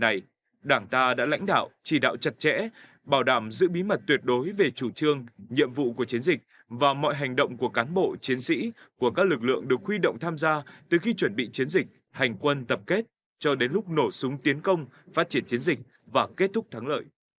vì vậy đảng ta đã lãnh đạo chỉ đạo chặt chẽ bảo đảm giữ bí mật tuyệt đối về chủ trương nhiệm vụ của chiến dịch và mọi hành động của cán bộ chiến sĩ của các lực lượng được huy động tham gia từ khi chuẩn bị chiến dịch hành quân tập kết cho đến lúc nổ súng tiến công phát triển chiến dịch và kết thúc thắng lợi